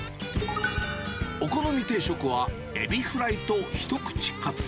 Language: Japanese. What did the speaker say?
お好み定食はエビフライと一口かつ。